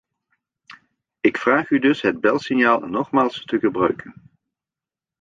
Ik vraag u dus het belsignaal nogmaals te gebruiken.